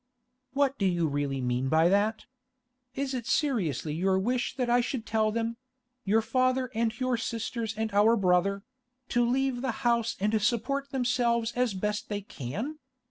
'What do you really mean by that? Is it seriously your wish that I should tell them—your father and your sisters and our brother—to leave the house and support themselves as best they can?